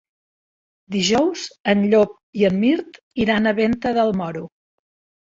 Dijous en Llop i en Mirt iran a Venta del Moro.